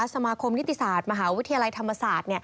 สมาคมนิติศาสตร์มหาวิทยาลัยธรรมศาสตร์